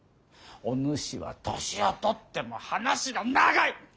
お主は年を取っても話が長い。